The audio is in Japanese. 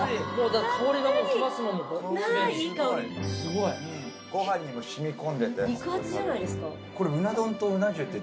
ご飯にも染み込んでて。